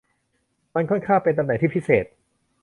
มันค่อนข้างเป็นตำแหน่งที่พิเศษ